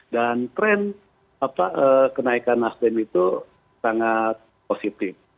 dan tren kenaikan nasdem itu sangat positif